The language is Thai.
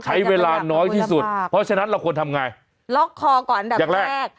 ใช้เวลาน้อยที่สุดเพราะฉะนั้นเราควรทำไงล็อกคอก่อนอันดับแรก